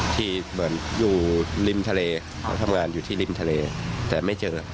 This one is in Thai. ที่เหมือนอยู่ริมทะเลเขาทำงานอยู่ที่ริมทะเลแต่ไม่เจอ